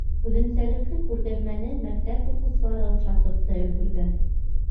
Үҙенсәлекле күргәҙмәне мәктәп уҡыусылары оҡшатып та өлгөргән.